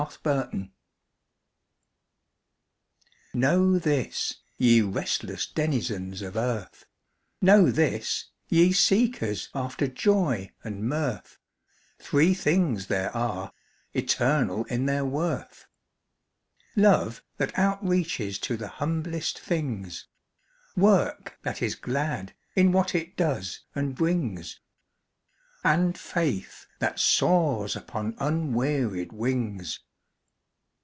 THREE THINGS Know this, ye restless denizens of earth, Know this, ye seekers after joy and mirth, Three things there are, eternal in their worth. Love, that outreaches to the humblest things; Work that is glad, in what it does and brings; And faith that soars upon unwearied wings.